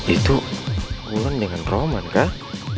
itu bulan dengan roman kah